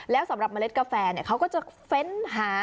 แล้วสำหรับเมล็ดกาแฟเขาก็จะเฟ้นหา